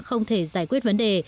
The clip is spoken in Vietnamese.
không thể giải quyết vấn đề